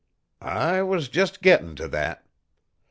"I was just gettin' to that.